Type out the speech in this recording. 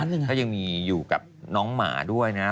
ก็ยังมีอยู่กับน้องหมาด้วยนะ